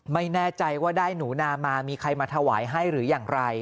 ไม่แน่ใจว่าได้หนูนามามีใครมาถวายให้หรืออย่างไร